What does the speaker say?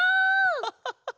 ハハハハハ！